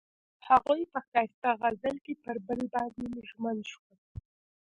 هغوی په ښایسته غزل کې پر بل باندې ژمن شول.